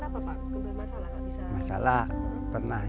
kakinya kenapa pak kebermasalahan